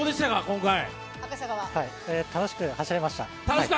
楽しく走れました。